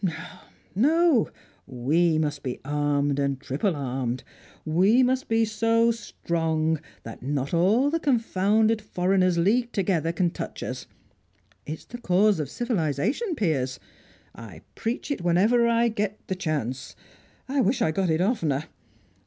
No, no; we must be armed and triple armed; we must be so strong that not all the confounded foreigners leagued together can touch us. It's the cause of civilisation, Piers. I preach it whenever I get the chance; I wish I got it oftener.